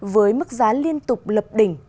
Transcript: với mức giá liên tục lập đỉnh